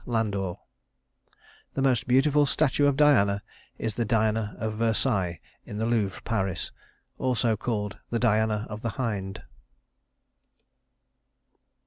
LANDOR The most beautiful statue of Diana is the Diana of Versailles, in the Louvre, Paris (also called the Diana of the Hind).